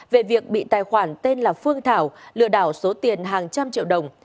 về việc bị tài khoản tên là phương thảo lừa đảo số tiền hàng trăm triệu đồng